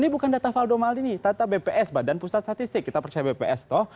ini bukan data valdo maldini data bps badan pusat statistik kita percaya bps toh